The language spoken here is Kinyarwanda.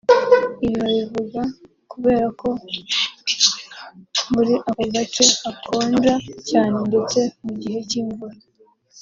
Ibi babivuga kubera ko muri ako gace hakonja cyane ndetse mu gihe cy’imvura